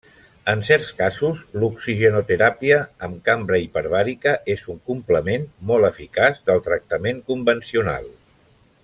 En certs casos, l'oxigenoteràpia amb cambra hiperbàrica és un complement molt eficaç del tractament convencional.